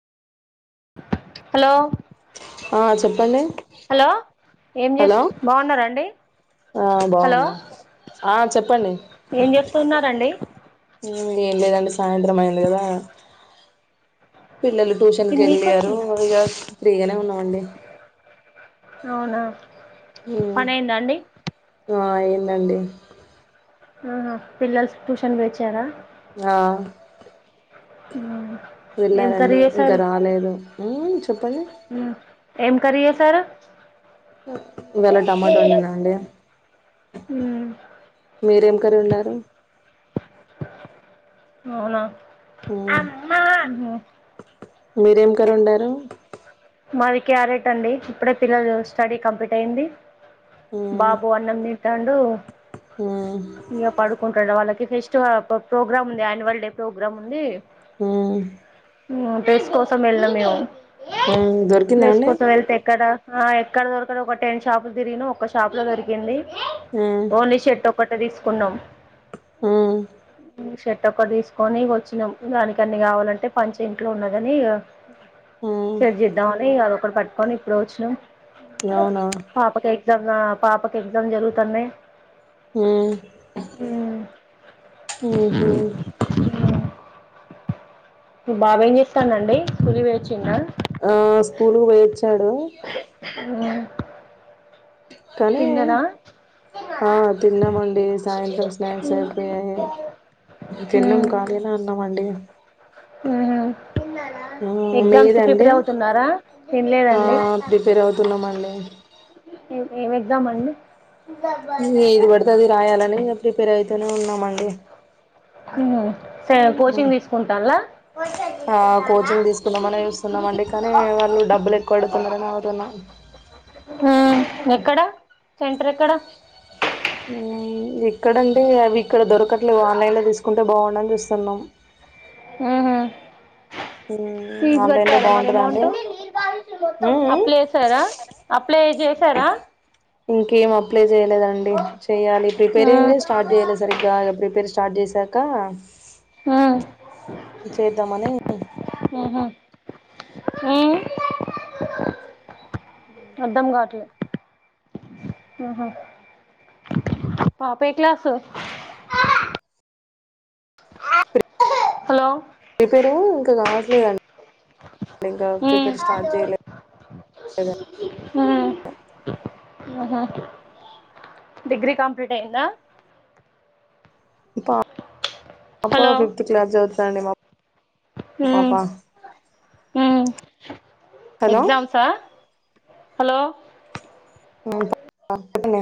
Hello. ఆ చెప్పండి hello ఏం చేస్ బాగున్నారండి. ఆహ్ హలో బాగున్నాం ఆహ్ చెప్. ఏం చేస్తూన్నారండి. ఏం చేయలేదండి సాయంత్రం అయింది కదా. పిల్లలు ఇది ట్యూషన్కి వెళ్ళారు మీకొచ్చిందా ఇక ఫ్రీగానే ఉన్నామండి. అవునా పని అయిందా అండి. ఆహ్ అయిందండి. ఆహ్ పిల్లల్స్ ట్యూషన్ పోయి వచ్చారా. ఆహ్. ఉమ్. పిల్లలండీ ఇంకా రాలేదు ఉమ్ చెప్పండి. ఏం కర్రి చేశారు. ఆహ్ ఇవ్వాళ టమాట వండినండి. మీరేం కర్రి వండారు. అవునా ఉమ్, ఆహ్. మీరేం కర్రి వండారు. మాది క్యారేట్ అండి. ఇప్పుడే పిల్లలు స్టడీ కంప్లీట్ అయింది ఉమ్, బాబు అన్నం తిన్ తింటండు ఉమ్, ఇంకా పడుకుంటాడు వాళ్ళకి ఫీష్. చువ ప్రో ప్రోగ్రామ్ ఉంది యాన్యువల్ డే ప్రోగ్రామ్ ఉంది. ఉమ్. డ్రెస్ కోసం వెళ్ళినా మేము ఉమ్, దొరికిందా డ్రెస్ అండి కోసం వెళ్తే ఎక్కడ ఎక్కడ దొరకడు ఒక టెన్ షాపులు తిరిగిన ఒక్క షాప్ లో దొరికింది ఉమ్, ఓన్లీ షర్ట్ ఒకటె తీసుకున్నాం ఉమ్, షర్ట్ ఒక్కటి తీసుకొని వచ్చినాం దానికి అన్ని కావాలంటే పంచ ఇంట్లో ఉన్నాదని ఆ పట్టుకోని ఇప్పుడు వచ్చిన్నాం అవునా పాప ఎగ్జామ్ పాపకి ఎగ్జామ్ జరుగుతున్నాయి ఉమ్ ఉహు మీ బాబు ఏం చేస్తున్నాడండి స్కూల్ కి పోయి వచ్చి. ఆ స్కూల్ కు పోయిచ్చాడు కానీ తిన్నద ఆ తిన్నామండి సాయంత్రం స్నాక్స్ అయిపోయాయి తన్నం కాలిగా అన్నామ అండి ఉమ్ ఆ ఎగ్జామ్స్ కు మీదండి ప్రిపేర్ అవుతున్నారా ఆ తన్లేదండి ప్రిపేర్ అవుతున్నామండి ఏం ఎగ్జామ్ అండి దబ్బదంగా ఎది పడితే అది రాయాలని ప్రిపేర్ అయితేనే ఉన్నామండి సరే కోచింగ్ తీసుకుంటల కోచింగ్ తీసుకుందాం అని చూస్తున్నామ అండి కానీ వాళ్ళు డబ్బులు ఎక్కువ అడుగుతున్నారని అగుతునం హ ఎక్కడా సెంటర్ ఎక్కడా ఇక్కడంటే అవి ఇక్కడ దొరకట్లేవి ఆన్లైన్లో తీసుకుంటే బాగుండని చూస్తున్నాం ఫీజ ఆన్లైన్ లో కటర మరి బాగుంటదా అండి అమౌంట్ అప్ల చేసారా అప్లై చేసారా ఇంకేం అప్లై చేయలేదండి చెయాలి ఉమ్ ప్రిపేరింగ్గే స్టార్ట్ చేయలేదు సరిగ్గా ప్రిపేర్ స్టార్ట్ చేశాక ఆ చేద్దామనే ఉహ అ అర్ధం కావట్లే పాప ఎ క్లాసు హలో పెరు ఇంకా కావట్ లేదండి ఉమ్ ఆ ఆహా డిగ్రీ కంప్లీట్ అయ్యందా బా పాప హలో ఫిఫ్త్ క్లాస్ చదువుతుందండి మా పాప హలో ఎగ్జామ్స్స హలో అ